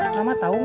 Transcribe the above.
mama tau gak